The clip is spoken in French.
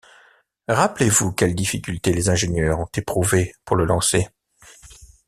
Rappelez-vous quelles difficultés les ingénieurs ont éprouvées pour le lancer.